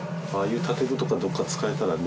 いう建具とかどっか使えたらね